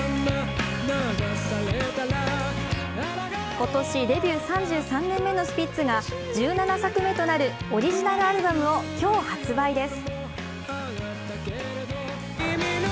今年、デビュー３３年目のスピッツが１７作目となるオリジナルアルバムを今日発売です。